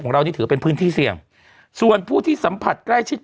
เรานี่ถือเป็นพื้นที่เสี่ยงส่วนผู้ที่สัมผัสใกล้ชิด